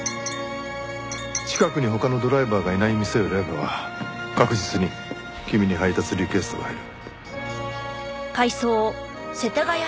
近くに他のドライバーがいない店を選べば確実に君に配達リクエストが入る。